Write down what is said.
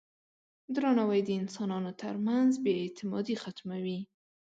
درناوی د انسانانو ترمنځ بې اعتمادي ختموي.